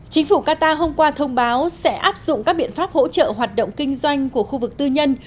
chính phủ qatar hôm qua thông báo sẽ áp dụng các biện pháp hỗ trợ hoạt động kinh doanh của khu vực tư nhân